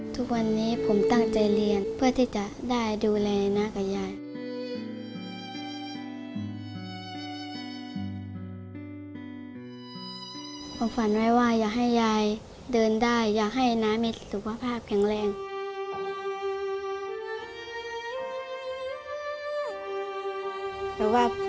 ทุกวันนี้ผมตั้งใจเรียนเพื่อที่จะได้ดูแลไอน่ากับยาย